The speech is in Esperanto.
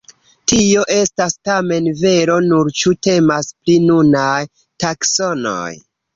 Tio estas tamen vero nur ĉu temas pri nunaj taksonoj.